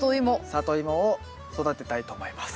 サトイモを育てたいと思います。